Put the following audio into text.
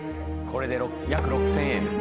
これで約６，０００円です